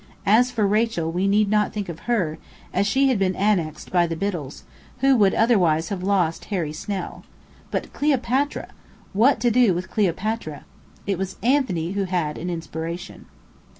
As for Rachel, we need not think of her, as she had been annexed by the Biddells, who would otherwise have lost Harry Snell. But Cleopatra! What to do with Cleopatra? It was Anthony who had an inspiration.